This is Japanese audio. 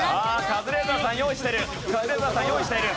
カズレーザーさん用意している。